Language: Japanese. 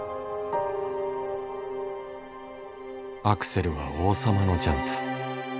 「アクセルは王様のジャンプ」